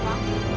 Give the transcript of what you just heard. kamu bisa tebus